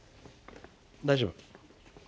大丈夫。